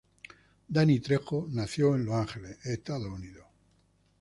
Danny Trejo nació en Los Ángeles, Estados Unidos.